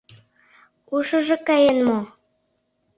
— Ушыжо каен мо?